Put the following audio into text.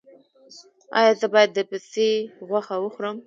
ایا زه باید د پسې غوښه وخورم؟